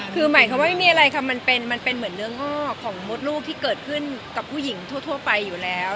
คือหมายความว่าไม่มีอะไรค่ะมันเป็นเหมือนเนื้องอกของมดลูกที่เกิดขึ้นกับผู้หญิงทั่วไปอยู่แล้ว